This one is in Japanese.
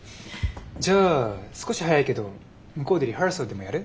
じゃあ少し早いけど向こうでリハーサルでもやる？